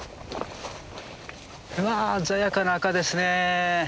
わあ鮮やかな赤ですね。